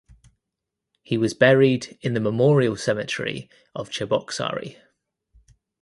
He was buried in the memorial cemetery of Cheboksary.